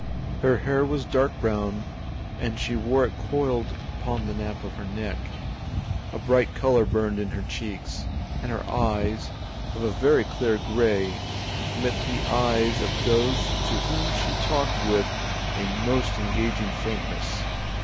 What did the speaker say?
Her hair was dark brown, and she wore it coiled upon the nape of her neck; a bright colour burned in her cheeks, and her eyes, of a very clear grey, met the eyes of those to whom she talked with a most engaging frankness.